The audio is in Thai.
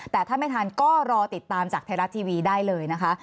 แต่ถ้าไม่ทันก็รอติดตามจากไทยรัฐทีวีได้เลยนะคะ